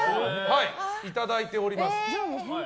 いただいております。